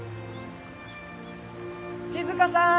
静さん！